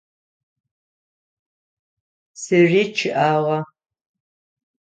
Псыри чъыӏагъэ.